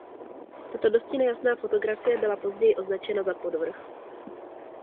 Tato dosti nejasná fotografie byla později označena za podvrh.